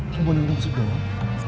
cuma denger musik doang